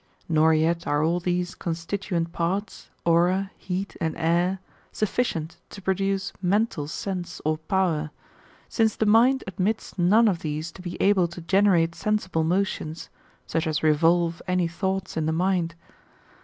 Nor yet are all these constituent parts, aura, heat, and air, sufficient to produce mental sense or power; since the mind admits none of these to be able to generate sensible motions, such as revolve any thoughts in the mind.